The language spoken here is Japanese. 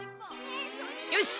よし！